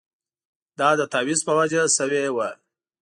دا د تاویز په وجه شوې وه.